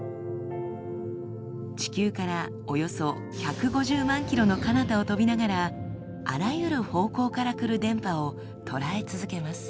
地球からおよそ１５０万ｋｍのかなたを飛びながらあらゆる方向から来る電波を捉え続けます。